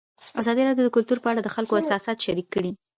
ازادي راډیو د کلتور په اړه د خلکو احساسات شریک کړي.